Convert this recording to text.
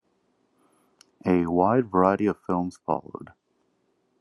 A wide variety of films followed.